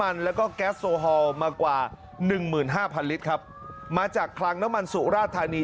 โมฮอลมากว่า๑๕๐๐๐ลิตรครับมาจากคลังน้ำมันสุราธารณี